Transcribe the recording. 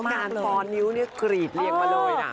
แล้วการทอนนิ้วเนี่ยกรีดเรียกมาเลยน่ะ